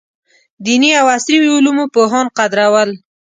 دیني او عصري علومو پوهان قدرول.